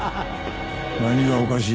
何がおかしい？